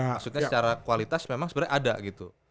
maksudnya secara kualitas memang sebenarnya ada gitu